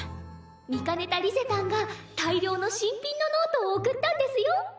見かねたリゼたんが大量の新品のノートを贈ったんですよ。